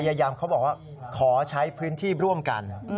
ยามเขาบอกว่าขอใช้พื้นที่ร่วมกัน